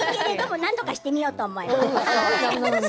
なんとかしてみようと思います。